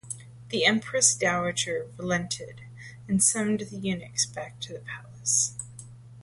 The empress dowager relented and summoned the eunuchs back to the palace.